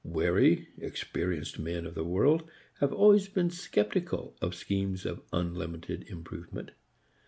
Wary, experienced men of the world have always been sceptical of schemes of unlimited improvement.